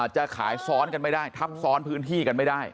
จะขายซ้อนกันไม่ได้ทับซ้อนพื้นที่กันไม่ได้